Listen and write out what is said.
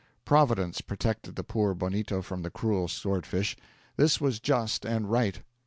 Providence protected the poor bonito from the cruel sword fish. This was just and right.